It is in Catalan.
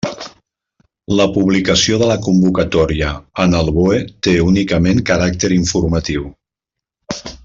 La publicació de la convocatòria en el BOE té únicament caràcter informatiu.